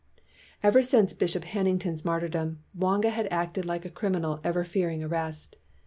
Ever since Bishop Hannington's martyr dom, Mwanga had acted like a criminal ever fearing arrest.